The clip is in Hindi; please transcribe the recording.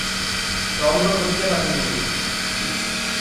टॉम को कुत्ते पसंद नहीं।